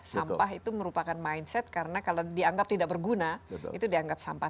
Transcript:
sampah itu merupakan mindset karena kalau dianggap tidak berguna itu dianggap sampah